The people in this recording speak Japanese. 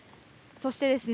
そしてですね